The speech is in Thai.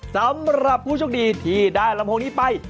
สำหรับผู้โชคดีที่ได้ลำโพงนี้ไป